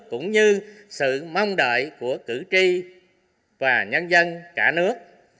cũng như sự mong đợi của cử tri và nhân dân cả nước